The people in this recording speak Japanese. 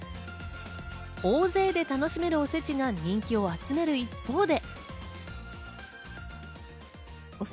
大勢で楽しめるおせちが人気を集める一方で。